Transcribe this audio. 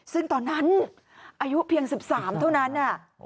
ซึ่งตอนนั้นอายุเพียง๑๓เท่านั้น